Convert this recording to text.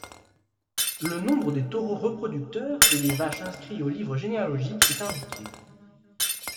Le nombre des taureaux reproducteurs et des vaches inscrits au livre généalogique est indiqué.